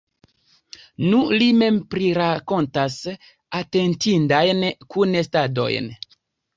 Nu, li mem prirakontas atentindajn kunestadojn.